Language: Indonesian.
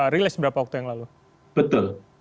rilis beberapa waktu yang lalu betul